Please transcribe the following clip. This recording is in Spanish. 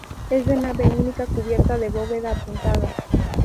Es de nave única cubierta de bóveda apuntada.